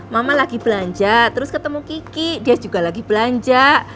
mama lagi belanja terus ketemu kiki dia juga lagi belanja